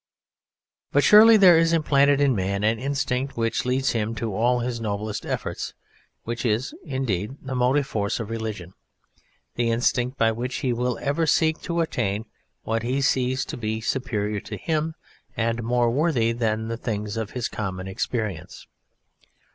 But surely there is implanted in man an instinct which leads him to all his noblest efforts and which is, indeed, the motive force of religion, the instinct by which he will ever seek to attain what he sees to be superior to him and more worthy than the things of his common experience.